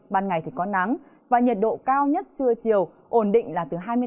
ban ngày thì có nắng và nhiệt độ cao nhất trưa chiều ổn định là từ hai mươi năm